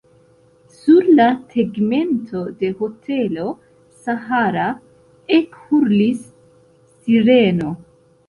Sur la tegmento de Hotelo Sahara ekhurlis sireno.